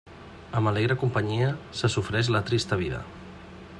Amb alegre companyia, se sofreix la trista vida.